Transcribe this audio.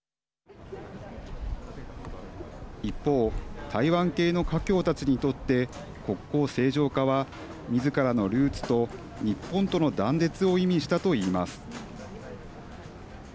一方、台湾系の華僑たちにとって国交正常化はみずからのルーツと日本との断絶を意味したといいます。